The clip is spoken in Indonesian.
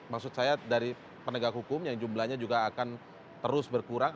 maksud saya dari penegak hukum yang jumlahnya juga akan terus berkurang